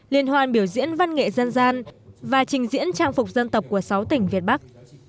liên hoan biểu diễn văn nghệ dân gian và trình diễn trang phục dân tộc của sáu tỉnh việt bắc